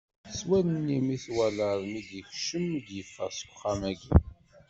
S wallen-iw i t-walaɣ mi d-yekcem, mi yeffeɣ seg uxxam-agi.